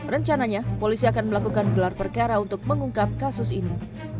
rencananya polisi akan melakukan gelar perkara untuk mengungkap kasus ini